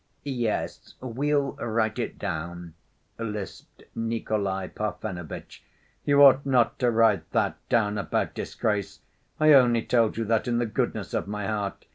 "Yes, we'll write it down," lisped Nikolay Parfenovitch. "You ought not to write that down about 'disgrace.' I only told you that in the goodness of my heart.